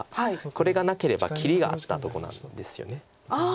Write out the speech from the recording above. これがなければ切りがあったとこなんですよね。